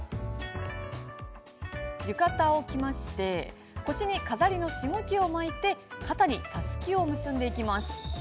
浴衣を着まして腰に飾りのしごきを巻いて肩にたすきを結んでいきます。